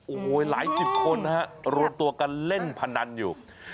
โอ้โหหลายสิบคนฮะรวมตัวกันเล่นพนันอยู่